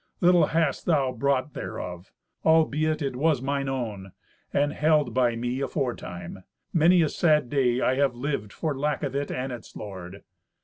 Little hast thou brought thereof, albeit it was mine own, and held by me aforetime. Many a sad day I have lived for lack of it and its lord."